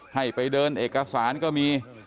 ให้ไปเดินเอกสารก็มี